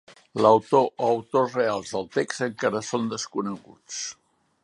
L'autor o autors reals del text encara són desconeguts.